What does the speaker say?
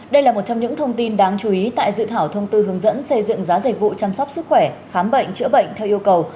đây là một trong những thông tin đáng chú ý tại dự thảo thông tư hướng dẫn xây dựng giá dịch vụ chăm sóc sức khỏe khám bệnh chữa bệnh theo yêu cầu